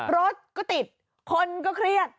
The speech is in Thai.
รถก็ติดคนก็เครียด